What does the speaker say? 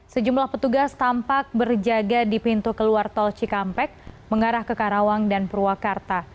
sejumlah petugas tampak berjaga di pintu keluar tol cikampek mengarah ke karawang dan purwakarta